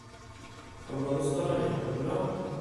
Tḥemmleḍ Ustṛalya, naɣ?